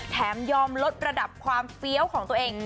แถมยอมลดระดับความเฟี้ยวของตัวเอง